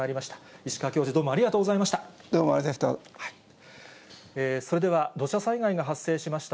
石川教授、どうもありがとうござありがとうございました。